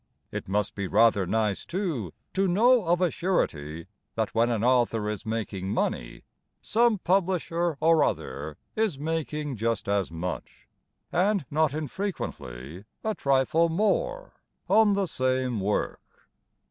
It must be rather nice, too, To know of a surety That when an author is making money Some publisher or other Is making just as much, And not infrequently a trifle more, On the same work.